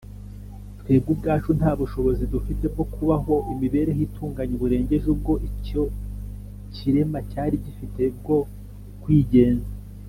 Twebwe ubwacu nta bushobozi dufite bwo kubaho imibereho itunganye burengeje ubwo icyo kirema cyari gifite bwo kwigenza